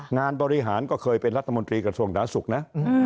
งานบริหารก็เคยเป็นรัฐมนตรีกระทรวงดาศุกร์นะ